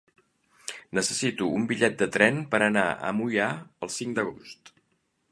Necessito un bitllet de tren per anar a Moià el cinc d'agost.